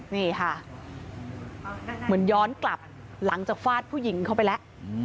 นี่ค่ะเหมือนย้อนกลับหลังจากฟาดผู้หญิงเข้าไปแล้ว